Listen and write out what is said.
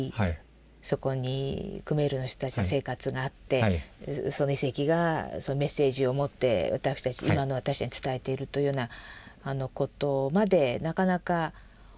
そこにクメールの人たちの生活があってその遺跡がそのメッセージを持って今の私たちに伝えているというようなことまでなかなか思いが至らないと。